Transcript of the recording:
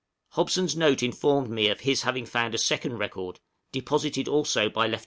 Hobson's note informed me of his having found a second record, deposited also by Lieut.